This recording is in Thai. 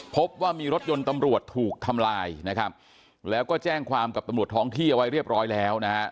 พบว่ามีรถยนต์ตำรวจถูกทำลายนะครับแล้วก็แจ้งความกับตำรวจท้องที่เอาไว้เรียบร้อยแล้วนะฮะ